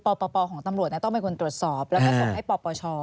ปปของตำรวจต้องเป็นคนตรวจสอบแล้วก็ส่งให้ปปช